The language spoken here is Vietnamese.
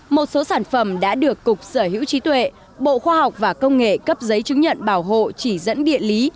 một số sản phẩm đã được cục sở hữu trí tuệ bộ khoa học và công nghệ cấp giấy chứng nhận bảo hộ chỉ dẫn địa lý